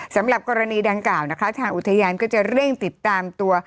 สำหรับกรณีดังกล่าวนะคะทางอุทยานก็จะเร่งติดตามตัว